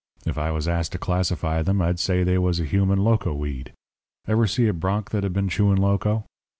If I was asked to classify them I'd say they was a human loco weed. Ever see a bronc that had been chewing loco?